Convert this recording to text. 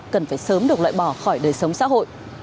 cần phải sớm được loại bỏ khỏi đời sống xã hội